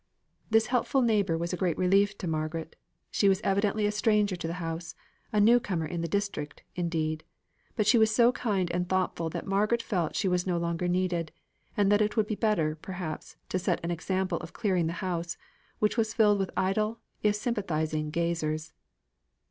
This helpful neighbour was a great relief to Margaret; she was evidently a stranger to the house, a new comer in the district, indeed; but she was so kind and thoughtful that Margaret felt she was no longer needed; and that it would be better, perhaps, to set an example of clearing the house, which was filled with idle, if sympathising gazers.